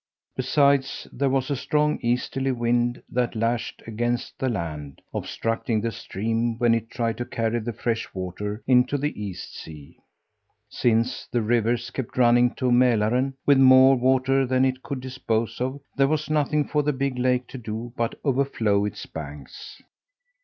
Besides, there was a strong easterly wind that lashed against the land, obstructing the stream when it tried to carry the fresh water into the East Sea. Since the rivers kept running to Mälaren with more water than it could dispose of, there was nothing for the big lake to do but overflow its banks.